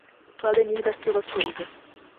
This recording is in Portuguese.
Claudenir da Silva Souza